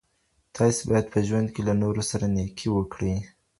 تاسي باید په ژوند کي له نورو سره نېکي وکړئ.